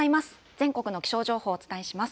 全国の気象情報をお伝えします。